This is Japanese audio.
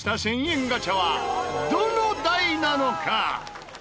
１０００円ガチャはどの台なのか？